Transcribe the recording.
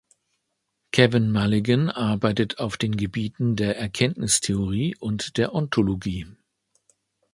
Kevin Mulligan arbeitet auf den Gebieten der Erkenntnistheorie und der Ontologie.